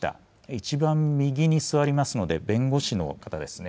一番右に座りますので、弁護士の方ですね。